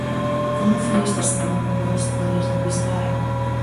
Como foi esta semana polos coles da bisbarra?